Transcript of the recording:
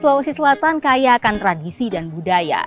selawesi selatan kayakan tradisi dan budaya